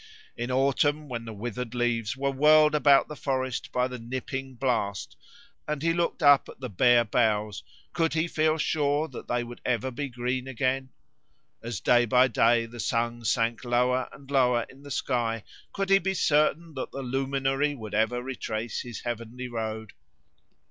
In autumn when the withered leaves were whirled about the forest by the nipping blast, and he looked up at the bare boughs, could he feel sure that they would ever be green again? As day by day the sun sank lower and lower in the sky, could he be certain that the luminary would ever retrace his heavenly road?